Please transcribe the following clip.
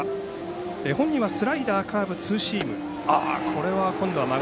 本人はスライダー、カーブツーシーム